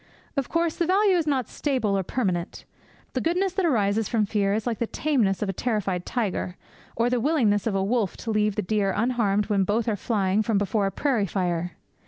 Of course, the value is not stable or permanent. The goodness that arises from fear is like the tameness of a terrified tiger, or the willingness of a wolf to leave the deer unharmed when both are flying from before a prairie fire.